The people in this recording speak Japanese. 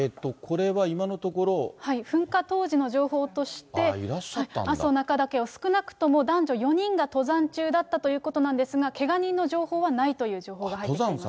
噴火当時の情報として、阿蘇中岳を少なくとも男女４人が登山中だったということなんですが、けが人の情報はないという情報が入っています。